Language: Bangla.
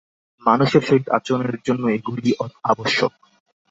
মানুষের সহিত আচরণের জন্য এগুলি আবশ্যক।